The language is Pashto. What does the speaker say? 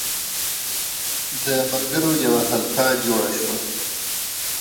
د ملګرو یوه حلقه جوړه شوه.